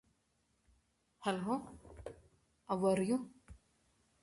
The race outcome itself can also be considered fortunate.